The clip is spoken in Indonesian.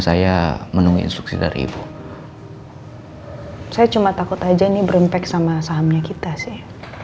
saya menunggu instruksi dari ibu saya cuma takut aja nih berempak sama sahamnya kita sih